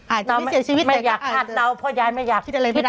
น้องเสียชีวิตไม่อยากคาดเราเพราะยายไม่อยากคิดอะไรไม่ได้